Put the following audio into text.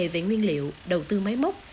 về nguyên liệu đầu tư máy móc